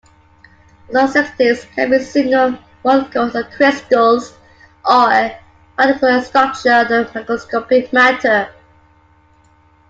Auxetics can be single molecules, crystals, or a particular structure of macroscopic matter.